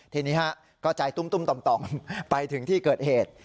ทีนี้ฮะก็ใจตุ้มต่อมไปถึงที่เกิดเหตุ